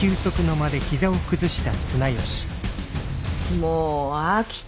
もう飽きた。